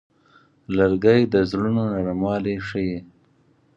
لرګی د زړونو نرموالی ښيي.